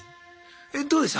えどうでした？